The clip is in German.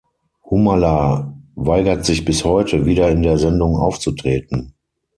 Humala weigert sich bis heute, wieder in der Sendung aufzutreten.